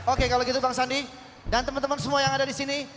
oke kalau gitu bang sandi dan teman teman semua yang ada di sini